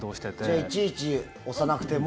じゃあいちいち押さなくても。